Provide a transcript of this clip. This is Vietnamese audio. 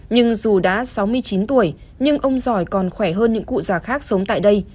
nhưng dù đã sáu mươi chín tuổi nhưng ông giỏi còn khỏe hơn những cụ già khác sống tại đây